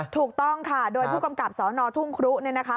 ถูกต้องค่ะโดยผู้กำกับสนทุ่งครุเนี่ยนะคะ